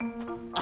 あ。